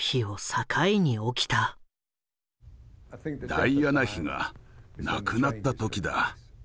ダイアナ妃が亡くなった時だ。